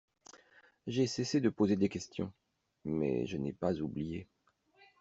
J’ai cessé de poser des questions, mais je n’ai pas oublié.